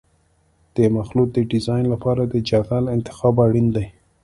د مخلوط د ډیزاین لپاره د جغل انتخاب اړین دی